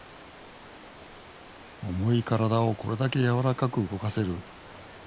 重い体をこれだけやわらかく動かせる。